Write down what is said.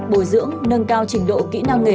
bồi dưỡng nâng cao trình độ kỹ năng nghề